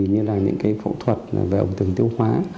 như là những cái phẫu thuật về ống tường tiêu hóa